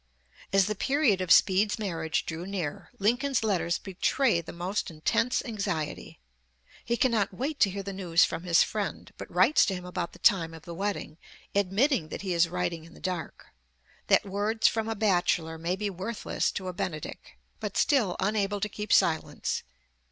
As the period of Speed's marriage drew near, Lincoln's letters betray the most intense anxiety. He cannot wait to hear the news from his friend, but writes to him about the time of the wedding, admitting that he is writing in the dark, that words from a bachelor may be worthless to a Benedick, but still unable to keep silence.